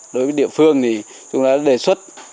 đối với địa phương thì chúng đã đề xuất